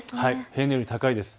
平年より高いです。